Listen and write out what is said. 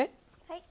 はい。